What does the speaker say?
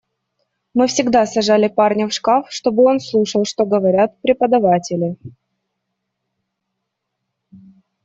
Мы всегда сажали парня в шкаф, чтобы он слушал, что говорят преподаватели.